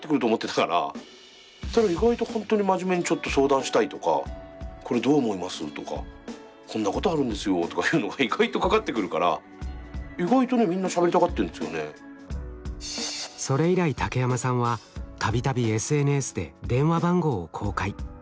そしたら意外とほんとに真面目に「ちょっと相談したい」とか「これどう思います？」とか「こんなことあるんですよ」とかいうのが意外とかかってくるからそれ以来竹山さんはたびたびＳＮＳで電話番号を公開。